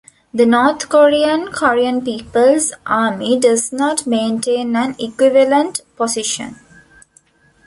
The North Korean Korean People's Army does not maintain an equivalent position.